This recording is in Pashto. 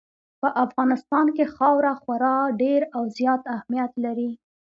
په افغانستان کې خاوره خورا ډېر او زیات اهمیت لري.